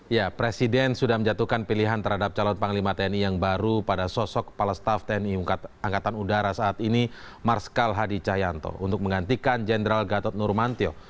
ya presiden sudah menjatuhkan pilihan terhadap calon panglima tni yang baru pada sosok kepala staff tni angkatan udara saat ini marskal hadi cahyanto untuk menggantikan jenderal gatot nurmantio